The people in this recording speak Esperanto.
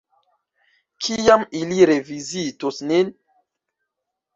Kiam ili revizitos nin?